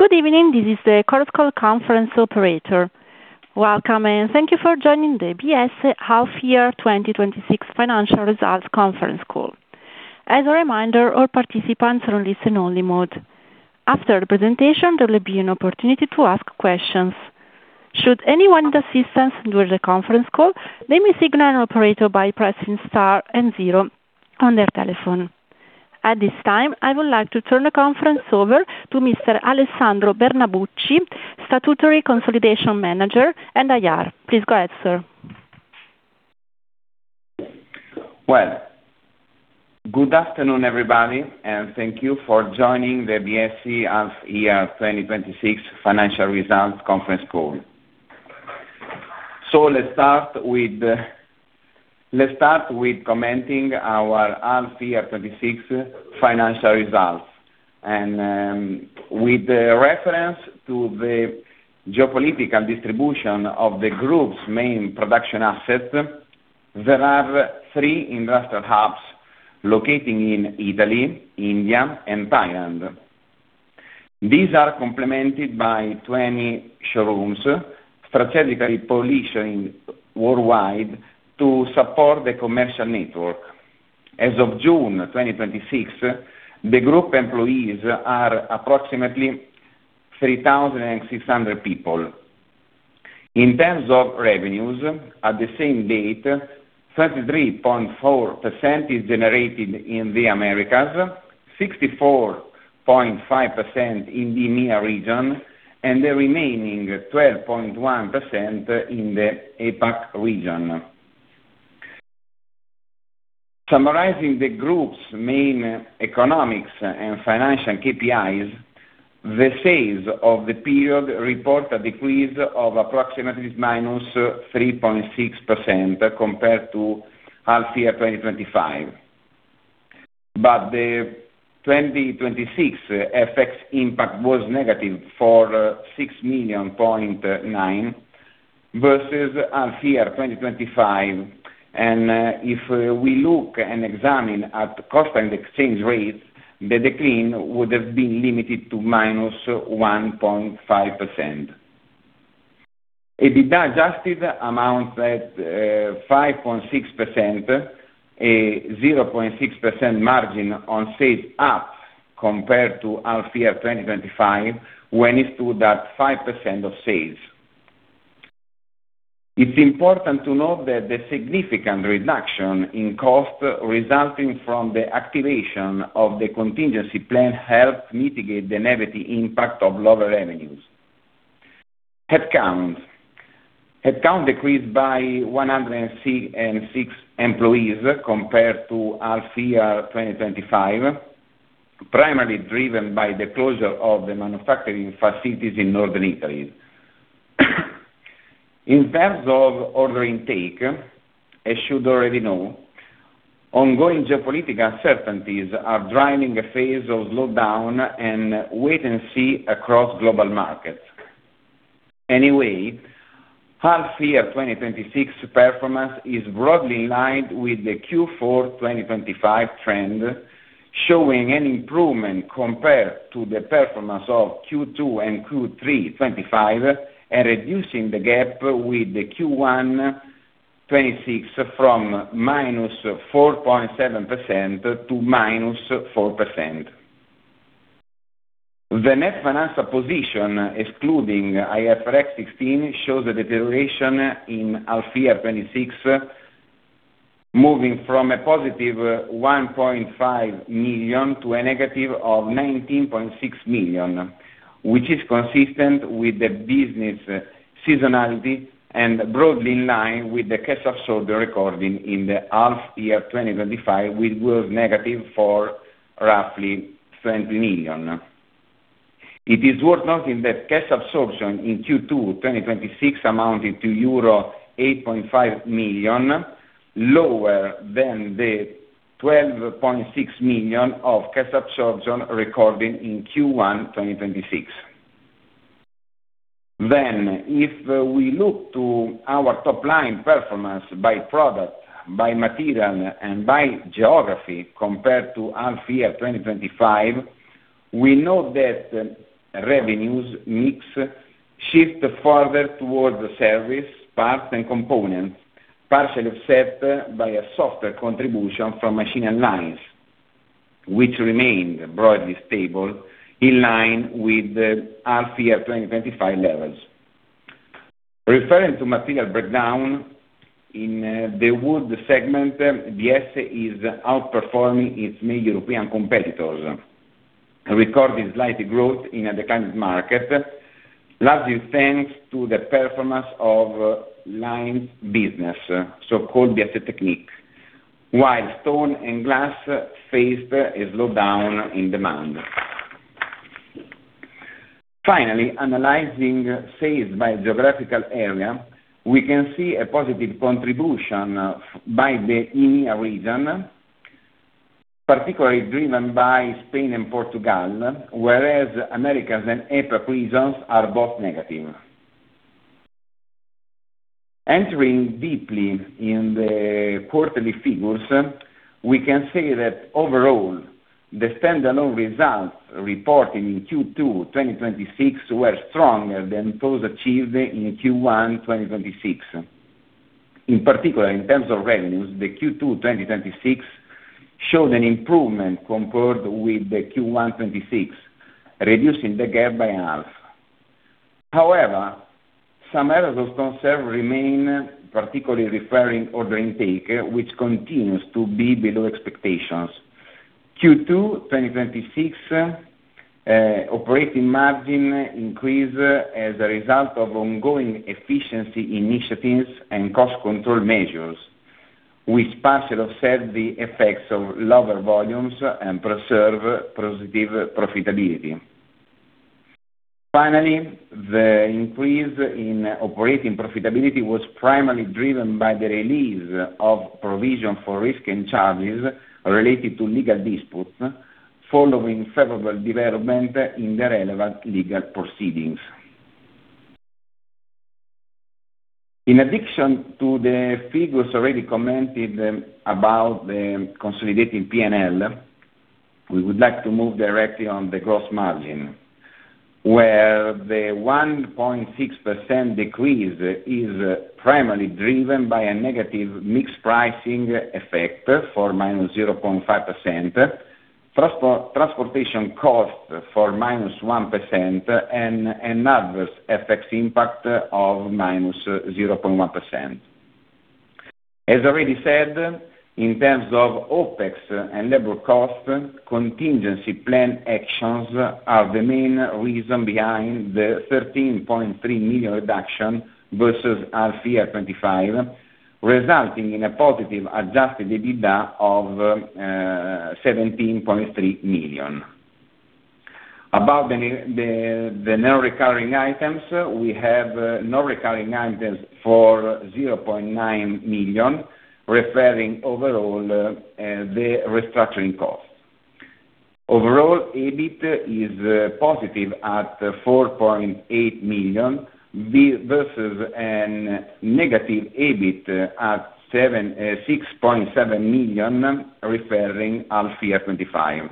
Good evening. This is the Chorus Call conference operator. Welcome, and thank you for joining the Biesse Half Year 2026 Financial Results Conference Call. As a reminder, all participants are on listen only mode. After the presentation, there will be an opportunity to ask questions. Should anyone need assistance during the conference call, they may signal an operator by pressing star and zero on their telephone. At this time, I would like to turn the conference over to Mr. Alessandro Bernabucci, Statutory Consolidation Manager and IR. Please go ahead, sir. Good afternoon, everybody, thank you for joining the Biesse Half Year 2026 Financial Results Conference Call. Let's start with commenting our half year 26 financial results. With reference to the geopolitical distribution of the group's main production assets, there are three industrial hubs located in Italy, India and Thailand. These are complemented by 20 showrooms strategically positioned worldwide to support the commercial network. As of June 2026, the group employees are approximately 3,600 people. In terms of revenues, at the same date, 33.4% is generated in the Americas, 64.5% in the EMEA region, and the remaining 12.1% in the APAC region. Summarizing the group's main economics and financial KPIs, the sales of the period report a decrease of approximately -3.6% compared to half year 2025. The 2026 FX impact was negative for 6.9 million versus half year 2025. If we look and examine at cost and exchange rates, the decline would have been limited to -1.5%. EBITDA adjusted amounts at 5.6%, a 0.6% margin on sales up compared to half year 2025, when it stood at 5% of sales. It's important to note that the significant reduction in cost resulting from the activation of the contingency plan helped mitigate the negative impact of lower revenues. Headcount. Headcount decreased by 106 employees compared to half year 2025, primarily driven by the closure of the manufacturing facilities in Northern Italy. In terms of order intake, as you already know, ongoing geopolitical uncertainties are driving a phase of slowdown and wait and see across global markets. Half year 2026 performance is broadly in line with the Q4 2025 trend, showing an improvement compared to the performance of Q2 and Q3 2025 and reducing the gap with the Q1 2026 from -4.7% to -4%. The net financial position, excluding IFRS 16, shows a deterioration in half year 2026, moving from a positive 1.5 million to a negative of 19.6 million, which is consistent with the business seasonality and broadly in line with the cash absorbed recorded in the half year 2025, which was negative for roughly 20 million. It is worth noting that cash absorption in Q2 2026 amounted to euro 8.5 million, lower than the 12.6 million of cash absorption recorded in Q1 2026. If we look to our top-line performance by product, by material, and by geography compared to half year 2025, we know that revenues mix shift further towards the service, parts, and components, partially offset by a softer contribution from machine lines, which remained broadly stable, in line with the half year 2025 levels. Referring to material breakdown in the wood segment, Biesse is outperforming its main European competitors, recording slight growth in a declined market, largely thanks to the performance of line business, so-called Biesse Technique, while stone and glass faced a slowdown in demand. Finally, analyzing sales by geographical area, we can see a positive contribution by the EMEA region, particularly driven by Spain and Portugal, whereas Americas and APAC regions are both negative. Entering deeply in the quarterly figures, we can say that overall, the standalone results reported in Q2 2026 were stronger than those achieved in Q1 2026. In particular, in terms of revenues, the Q2 2026 showed an improvement compared with the Q1 2026, reducing the gap by half. Some areas of concern remain, particularly referring order intake, which continues to be below expectations. Q2 2026 operating margin increase as a result of ongoing efficiency initiatives and cost control measures, which partially offset the effects of lower volumes and preserve positive profitability. The increase in operating profitability was primarily driven by the release of provision for risk and charges related to legal disputes following favorable development in the relevant legal proceedings. In addition to the figures already commented about the consolidated P&L, we would like to move directly on the gross margin, where the 1.6% decrease is primarily driven by a negative mix pricing effect for minus 0.5%, transportation cost for minus 1%, and an adverse FX impact of minus 0.1%. As already said, in terms of OpEx and labor cost, contingency plan actions are the main reason behind the 13.3 million reduction versus our fiscal year 2025, resulting in a positive adjusted EBITDA of 17.3 million. About the non-recurring items, we have non-recurring items for 0.9 million, referring overall the restructuring cost. EBIT is positive at 4.8 million versus a negative EBIT at 6.7 million referring to our fiscal year 2025.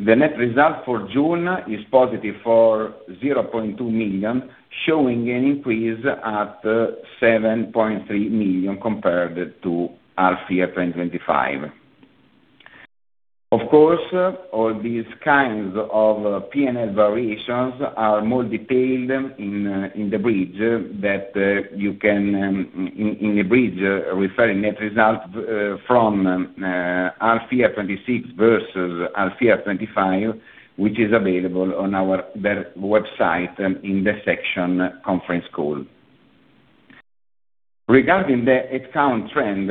The net result for June is positive for 0.2 million, showing an increase at 7.3 million compared to our fiscal year 2025. Of course, all these kinds of P&L variations are more detailed in the bridge referring net results from our fiscal year 2026 versus our fiscal year 2025, which is available on our website in the section, Conference Call. Regarding the headcount trend,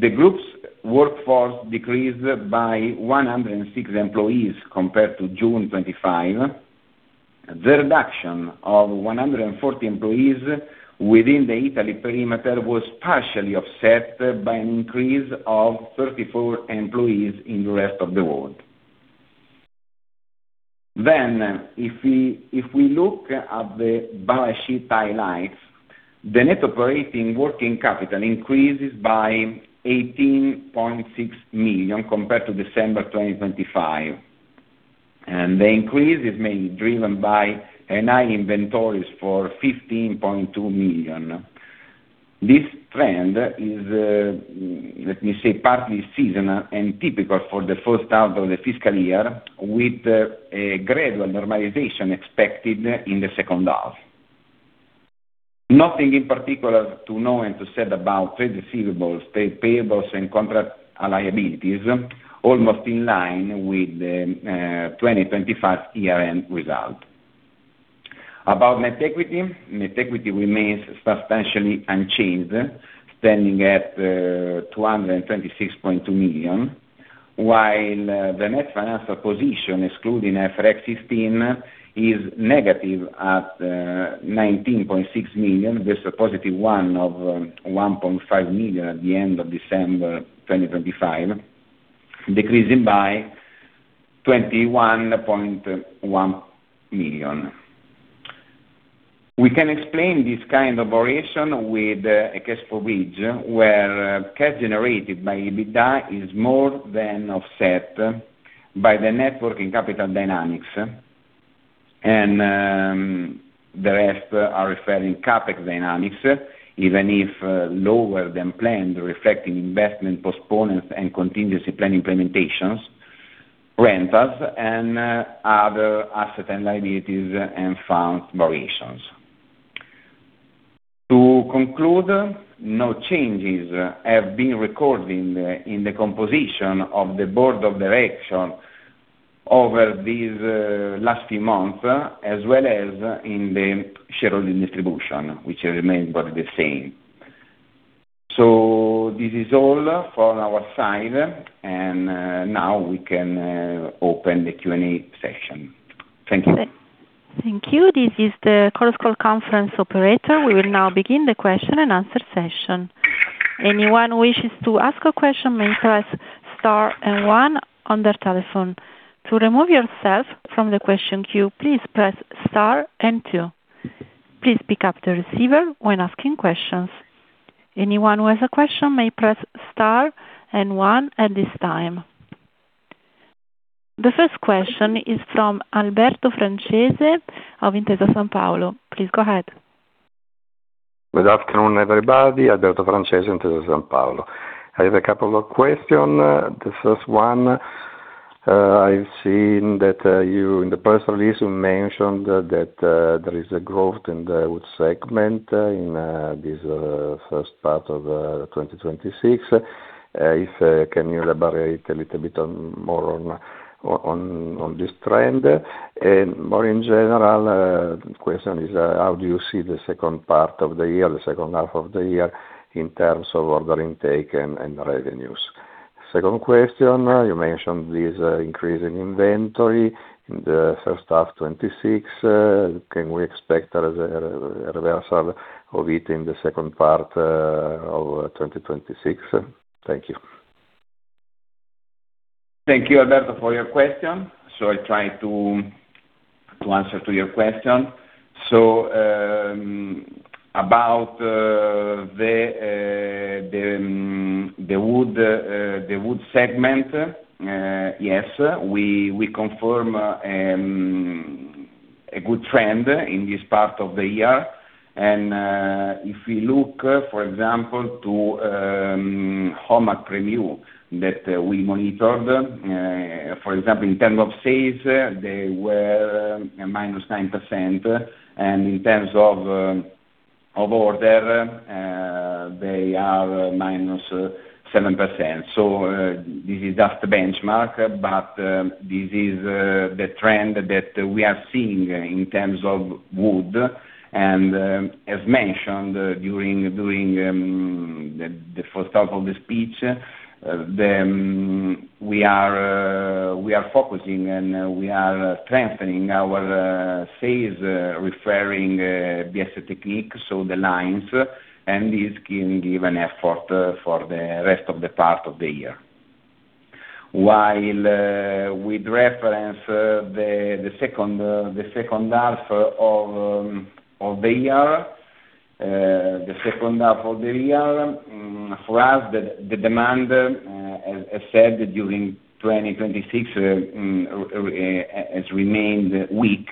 the group's workforce decreased by 106 employees compared to June 2025. The reduction of 140 employees within the Italy perimeter was partially offset by an increase of 34 employees in the rest of the world. If we look at the balance sheet highlights, the net operating working capital increases by 18.6 million compared to December 2025. The increase is mainly driven by high inventories for 15.2 million. This trend is, let me say, partly seasonal and typical for the first half of the fiscal year, with a gradual normalization expected in the second half. Nothing in particular to know and to say about trade receivables, trade payables, and contract liabilities, almost in line with the 2025 year-end result. About net equity, net equity remains substantially unchanged, standing at 226.2 million, while the net financial position, excluding IFRS 16, is negative at 19.6 million versus positive one of 1.5 million at the end of December 2025, decreasing by 21.1 million. We can explain this kind of operation with a cash flow bridge where cash generated by EBITDA is more than offset by the net working capital dynamics. The rest are referring CapEx dynamics, even if lower than planned, reflecting investment postponements and contingency plan implementations, rentals, and other asset and liabilities and funds variations. To conclude, no changes have been recorded in the composition of the board of directors over these last few months, as well as in the shareholder distribution, which remains about the same. This is all from our side, and now we can open the Q&A session. Thank you. Thank you. This is the Chorus Call conference operator. We will now begin the question-and-answer session. Anyone who wishes to ask a question may press star and one on their telephone. To remove yourself from the question queue, please press star and two. Please pick up the receiver when asking questions. Anyone who has a question may press star and one at this time. The first question is from Alberto Francese of Intesa Sanpaolo. Please go ahead. Good afternoon, everybody. Alberto Francese, Intesa Sanpaolo. I have a couple of question. The first one, I've seen that you, in the press release, you mentioned that there is a growth in the wood segment in this first part of 2026. Can you elaborate a little bit more on this trend? More in general, the question is, how do you see the second part of the year, the second half of the year in terms of order intake and revenues? Second question, you mentioned this increase in inventory in the first half 2026. Can we expect a reversal of it in the second part of 2026? Thank you. Thank you, Alberto, for your question. I try to answer your question. About the wood segment. Yes, we confirm a good trend in this part of the year. If we look, for example, to Homag review that we monitored, for example, in terms of sales, they were -9%, and in terms of order, they are -7%. This is just a benchmark, but this is the trend that we are seeing in terms of wood. As mentioned during the first half of the speech, we are focusing, and we are strengthening our sales, referring the aesthetic league, so the lines, and this can give an effort for the rest of the part of the year. While with reference the second half of the year, for us, the demand, as I said, during 2026, has remained weak,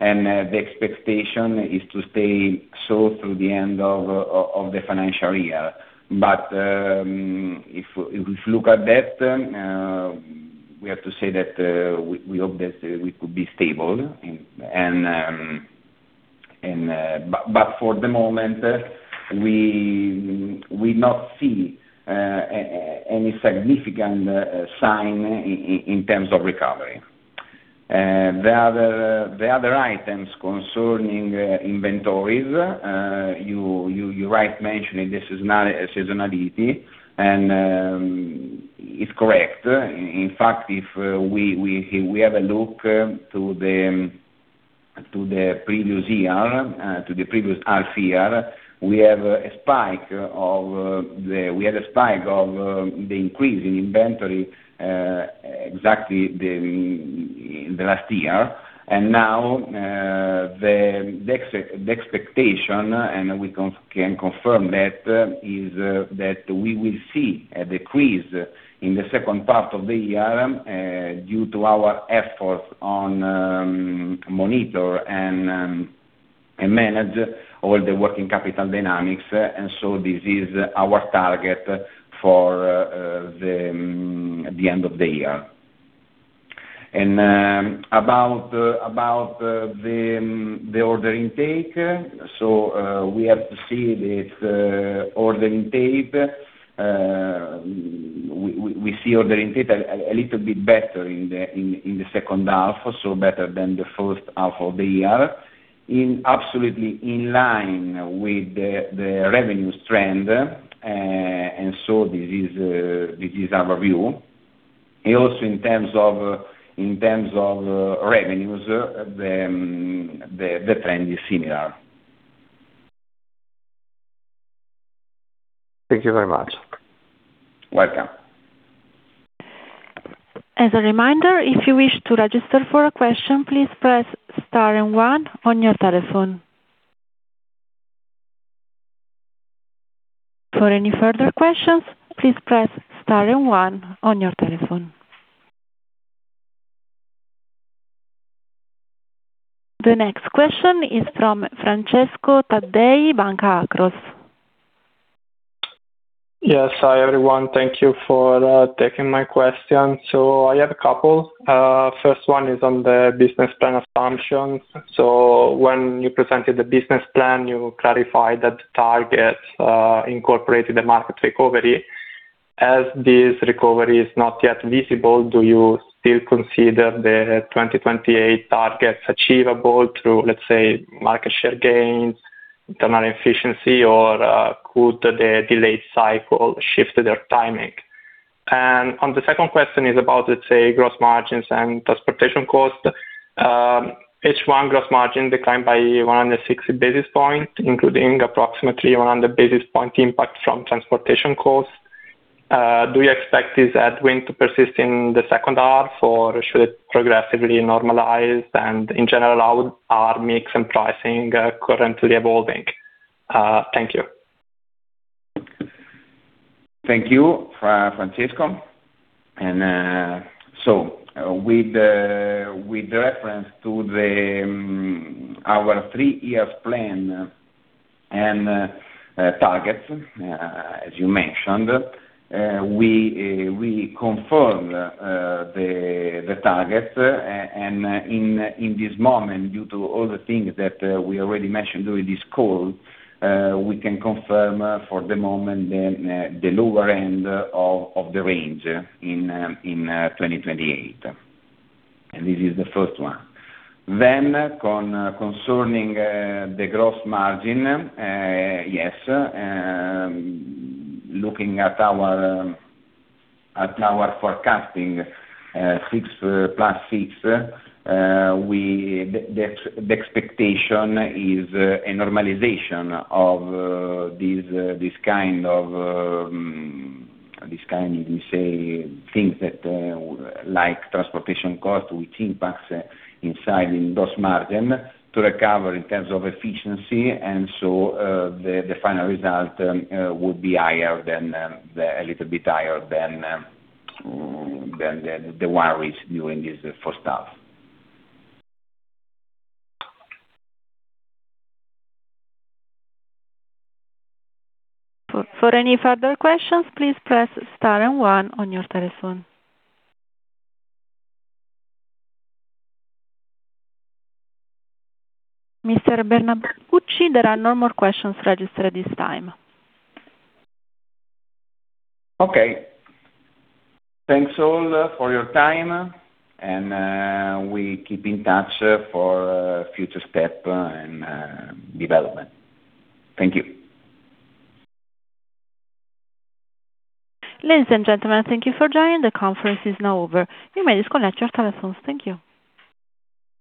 and the expectation is to stay so through the end of the financial year. If we look at that, we have to say that we hope that we could be stable. For the moment, we not see any significant sign in terms of recovery. The other items concerning inventories, you right mentioning the seasonality, and it is correct. In fact, if we have a look to the previous half year, we had a spike of the increase in inventory exactly in the last year. Now, the expectation, and we can confirm that, is that we will see a decrease in the second part of the year due to our efforts on monitor and manage all the working capital dynamics. This is our target for the end of the year. About the order intake, we have to see this order intake. We see order intake a little bit better in the second half, better than the first half of the year. Absolutely in line with the revenues trend, this is our view. Also, in terms of revenues, the trend is similar. Thank you very much. Welcome. As a reminder, if you wish to register for a question, please press star and one on your telephone. For any further questions, please press star and one on your telephone. The next question is from Francesco Taddei, Banca Akros. Yes. Hi, everyone. Thank you for taking my question. I have a couple. First one is on the business plan assumptions. When you presented the business plan, you clarified that the target incorporated the market recovery. As this recovery is not yet visible, do you still consider the 2028 targets achievable through, let’s say, market share gains, internal efficiency, or could the delayed cycle shift their timing? On the second question is about, let’s say, gross margins and transportation cost. H1 gross margin declined by 160 basis points, including approximately 100 basis point impact from transportation costs. Do you expect this headwind to persist in the second half, or should it progressively normalize? In general, how are mix and pricing currently evolving? Thank you. Thank you, Francesco. With reference to our three-year plan and targets, as you mentioned, we confirm the target. In this moment, due to all the things that we already mentioned during this call, we can confirm for the moment the lower end of the range in 2028. This is the first one. Concerning the gross margin, yes, looking at our forecasting, 6 + 6, the expectation is a normalization of this kind of, let me say, things like transportation cost, which impacts inside in gross margin to recover in terms of efficiency. The final result will be a little bit higher than the one we're doing this first half. For any further questions, please press star and one on your telephone. Mr. Bernabucci, there are no more questions registered at this time. Okay. Thanks all for your time. We keep in touch for future step and development. Thank you. Ladies and gentlemen, thank you for joining. The conference is now over. You may disconnect your telephones. Thank you.